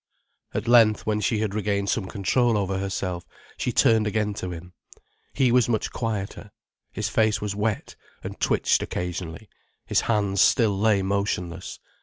At length, when she had regained some control over herself, she turned again to him. He was much quieter. His face was wet, and twitched occasionally, his hands still lay motionless.